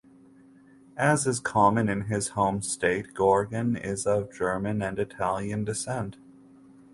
As is common in his home state Goergen is of German and Italian descent.